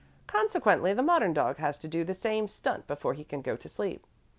Consequently, the modern dog has to do the same stunt before he can go to sleep.